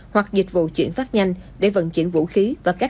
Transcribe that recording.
hoặc dịch vụ chuyển phát nhanh để vận chuyển vũ khí